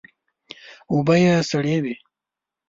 اوبه یې سړې وې.